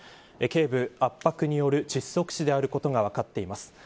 頸部圧迫による窒息死であることが分かっています。